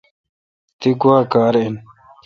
تی گوا کار این۔